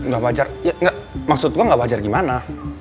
gak wajar maksud gue gak wajar gimana